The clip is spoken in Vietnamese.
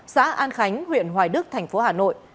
xã an khánh huyện hoài đức thành phố hà nội